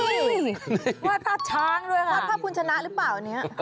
อุ๊ยวาดภาพช้างด้วยค่ะวาดภาพพุนชนะหรือเปล่า